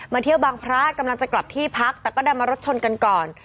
เที่ยวบางพระกำลังจะกลับที่พักแต่ก็ดันมารถชนกันก่อน